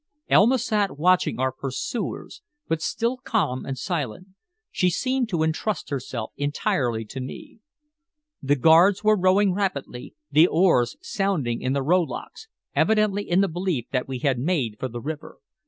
Elma sat watching our pursuers, but still calm and silent. She seemed to intrust herself entirely to me. The guards were rowing rapidly, the oars sounding in the rowlocks, evidently in the belief that we had made for the river.